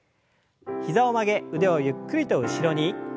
膝を曲げ腕をゆっくりと後ろに。